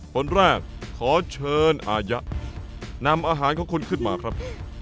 คนแรกขอเชิญอายะนำอาหารของคุณขึ้นมาครับ